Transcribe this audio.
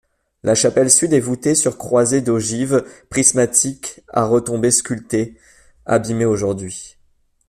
La chapelle sud est voûtée sur croisée d'ogives prismatiques à retombées sculptées, abîmées aujourd'hui.